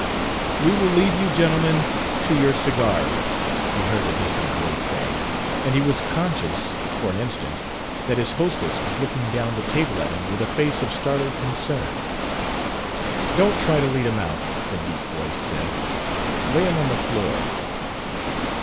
"We will leave you gentlemen to your cigars," he heard a distant voice saying; and he was conscious for an instant that his hostess was looking down the table at him with a face of startled concern.... "Don't try to lead him out," a deep voice said. "Lay him on the floor."